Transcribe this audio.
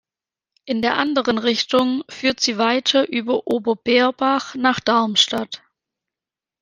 In der anderen Richtung führt sie weiter über Ober-Beerbach nach Darmstadt.